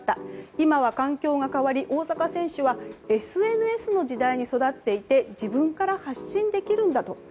今は環境が変わり、大坂選手はＳＮＳの時代に育っていて自分から発信できるんだと。